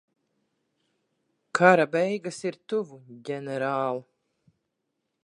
Kara beigas ir tuvu, ģenerāl.